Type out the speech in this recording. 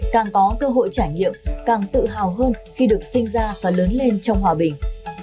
càng có cơ hội trải nghiệm càng tự hào hơn khi được sinh ra và lớn lên trong hòa bình